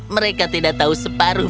mereka tidak tahu separuhnya